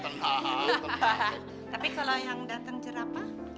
tapi kalau yang datang cerapa